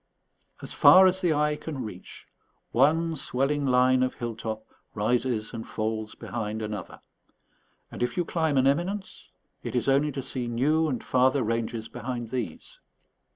As far as the eye can reach, one swelling line of hill top rises and falls behind another; and if you climb an eminence, it is only to see new and farther ranges behind these.